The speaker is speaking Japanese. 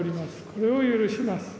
これを許します。